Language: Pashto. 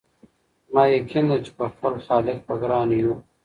زما یقین دی چي پر خپل خالق به ګران یو